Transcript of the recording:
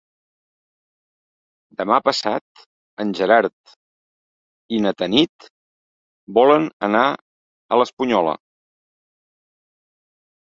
Demà passat en Gerard i na Tanit volen anar a l'Espunyola.